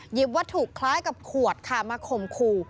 หยิบวัตถุคล้ายกับขวดมาขมคู